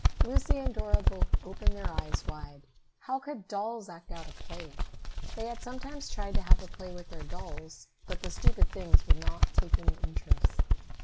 Lucy and Dora both opened their eyes wide. How could dolls act a play? They had sometimes tried to have a play with their dolls, but the stupid things would not take any interest.